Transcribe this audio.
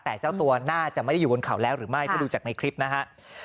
แต่เจ้าตัวน่าจะไม่ได้อยู่บนเขาแล้วหรือไม่ถ้าดูจากในคลิปนะฮะ